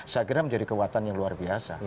saya kira menjadi kekuatan yang luar biasa